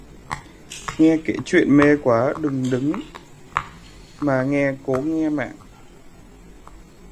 Nghe kể chuyện mê quá, đứng đượng mà nghe cố nghe mạng